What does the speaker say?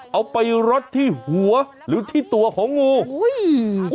ไปรดที่หัวหรือที่ตัวของงูอุ้ย